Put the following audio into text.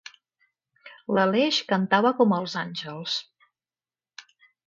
L'Aleix cantava com els àngels.